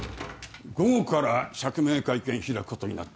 ・午後から釈明会見開くことになった。